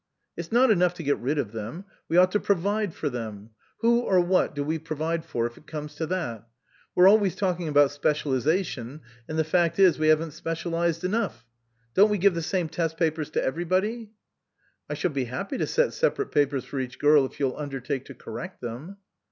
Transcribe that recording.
" It's not enough to get rid of them. We ought to provide for them. Who or what do we provide for, if it comes to that? We're always talking about specialisation, and the fact is we haven't specialised enough. Don't we give the same test papers to everybody ?" "I shall be happy to set separate papers for each girl if you'll undertake to correct them."